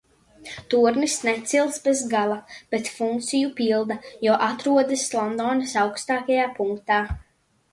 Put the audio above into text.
Tornis necils bez gala, bet funkciju pilda, jo atrodas Londonas augstākajā punktā.